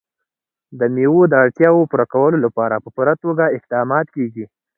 د مېوو د اړتیاوو پوره کولو لپاره په پوره توګه اقدامات کېږي.